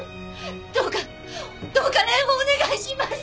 どうかどうか蓮をお願いします！